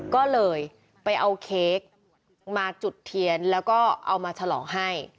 ก็เลยไปเอาเค้กมาจุดเทียนแล้วก็เอามาฉลองให้